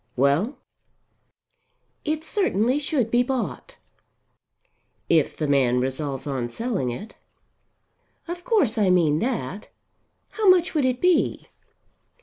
"Well." "It certainly should be bought." "If the man resolves on selling it." "Of course; I mean that. How much would it be?"